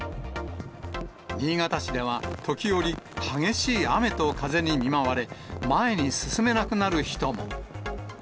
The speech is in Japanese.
新潟市では、時折、激しい雨と風に見舞われ、前に進めなくなる人も。